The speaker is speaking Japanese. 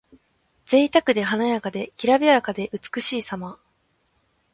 ぜいたくで華やかで、きらびやかで美しいさま。